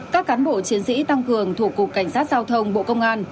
các cán bộ chiến sĩ tăng cường thuộc cục cảnh sát giao thông bộ công an